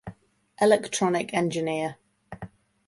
Electronic engineer.